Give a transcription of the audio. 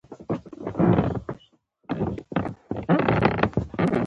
پکورې له شنو پیازو سره خوندورې وي